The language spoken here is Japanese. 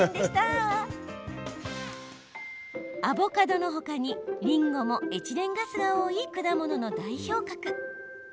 アボカドのほかに、りんごもエチレンガスが多い果物の代表格。